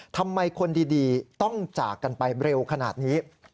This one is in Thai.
ทำไมคนดีต้องจากกันไปเร็วขนาดนี้